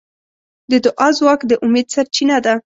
د دعا ځواک د امید سرچینه ده.